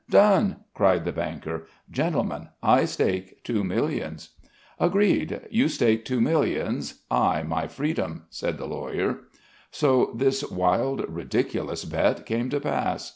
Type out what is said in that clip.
Done!" cried the banker. "Gentlemen, I stake two millions." "Agreed. You stake two millions, I my freedom," said the lawyer. So this wild, ridiculous bet came to pass.